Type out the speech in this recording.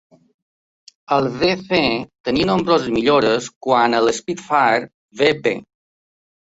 El Vc tenia nombroses millores quant al Spitfire Vb.